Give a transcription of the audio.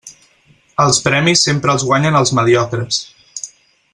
Els premis sempre els guanyen els mediocres.